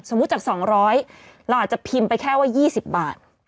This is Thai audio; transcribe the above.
จาก๒๐๐เราอาจจะพิมพ์ไปแค่ว่า๒๐บาท